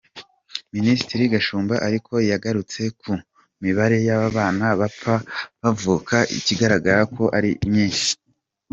Minisitiri Gashumba ariko yagarutse ku mibare y’abana bapfa bavuka ikigaragara ko ari myinshi.